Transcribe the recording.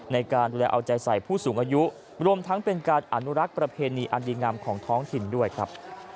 ในการดูแลเอาใจใส่ผู้สูงอายุรวมทั้งเป็นการอนุรักษ์ประเพณีอันดีงามของท้องถิ่นด้วยครับ